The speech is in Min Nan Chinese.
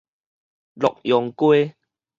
洛陽街